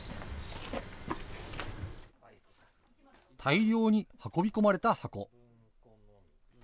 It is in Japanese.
大量に運び込まれた箱。